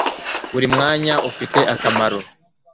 Buri mwanya ufite akamaro.